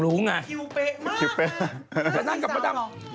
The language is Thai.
แม่เมย์ยังไม่มา